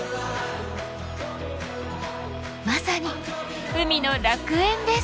まさに海の楽園です。